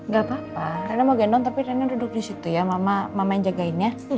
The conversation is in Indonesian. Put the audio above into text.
gak apa apa rina mau gendong tapi rina duduk disitu ya mama yang jagain ya